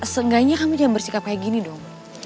seenggaknya kamu jangan bersikap kayak gini dong